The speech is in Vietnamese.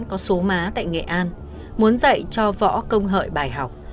có số má tại nghệ an muốn dạy cho võ công hợi bài học